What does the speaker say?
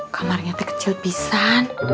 kamarnya kecil pisan